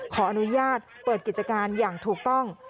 ขออนุญาตเปิดกิจการอย่างถูกต้อง